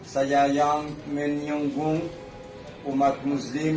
saya yang menyunggung umat muslim